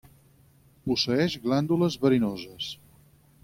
Posseeix glàndules verinoses.